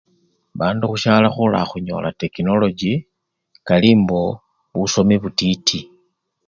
Bndu khusyalo khula khunyola tekinolochi, kali mboo busomi butiti.